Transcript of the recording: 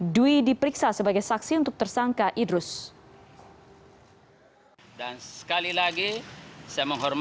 dwi diperiksa sebagai saksi untuk tersangka idrus